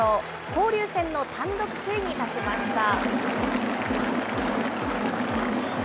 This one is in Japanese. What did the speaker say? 交流戦の単独首位に立ちました。